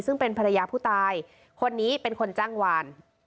ซึ่งเป็นภรรยาผู้ตายคนนี้เป็นคนจ้างวาน